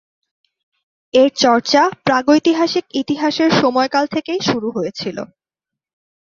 এর চর্চা প্রাগৈতিহাসিক ইতিহাসের সময়কাল থেকেই শুরু হয়েছিল।